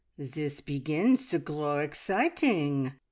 "This begins to grow exciting.